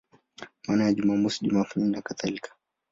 Maana ya Jumamosi, Jumapili nakadhalika.